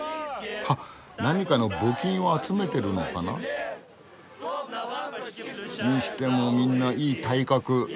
あ何かの募金を集めてるのかな？にしてもみんないい体格。